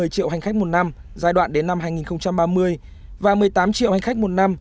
một mươi triệu hành khách một năm giai đoạn đến năm hai nghìn ba mươi và một mươi tám triệu hành khách một năm